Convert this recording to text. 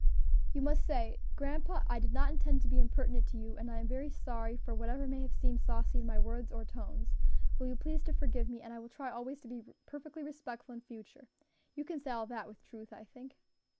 "You must say, Grandpa, I did not intend to be impertinent to you, and I am very sorry for whatever may have seemed saucy in my words or tones; will you please to forgive me, and I will try always to be perfectly respectful in future. You can say all that with truth, I think?"